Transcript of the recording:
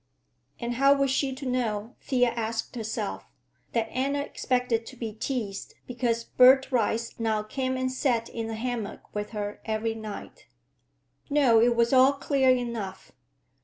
And how was she to know, Thea asked herself, that Anna expected to be teased because Bert Rice now came and sat in the hammock with her every night? No, it was all clear enough.